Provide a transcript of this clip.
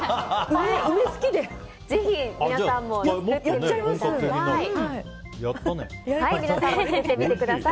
ぜひ皆さんも作ってみてください。